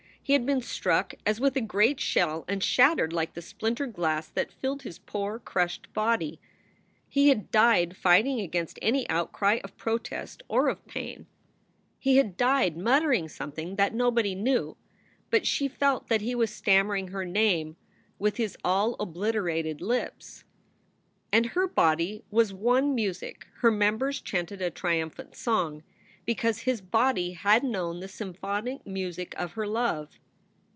He had been struck as with a great shell and shattered like the splintered glass that filled his poor, crushed body. He had died fighting against any outcry of protest or of pain. He SOULS FOR SALE 51 had died muttering something that nobody knew but she felt that he was stammering her name with his all obliterated lips. And her body was one music, her members chanted a triumphant song, because his body had known the symphonic music of her love.